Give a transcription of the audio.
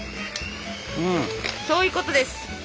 そういうことです。